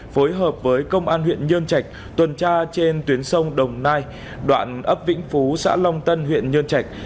phối hợp với công an huyện nhân chạch tuần tra trên tuyến sông đồng nai đoạn ấp vĩnh phú xã long tân huyện nhân chạch